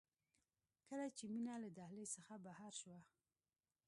کله چې مينه له دهلېز څخه بهر شوه.